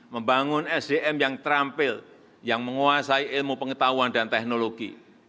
membangun sdm yang terampil yang menguasai ilmu pengetahuan dan teknologi